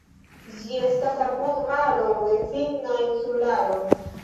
Ĝi estas apud maro de finna insularo.